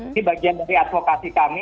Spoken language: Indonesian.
ini bagian dari advokasi kami